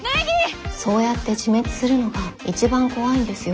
そうやって自滅するのが一番怖いんですよ。